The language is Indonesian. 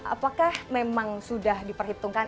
apakah memang sudah diperhitungkan